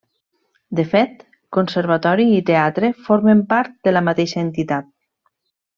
De fet, conservatori i teatre formen part de la mateixa entitat.